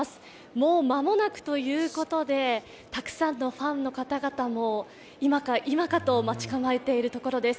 もう間もなくということでたくさんのファンの方々も今か今かと待ち構えているところです。